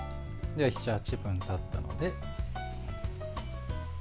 では７８分たったので。